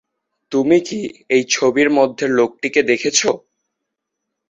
তুমি কি এই ছবির মধ্যের লোকটিকে দেখেছো?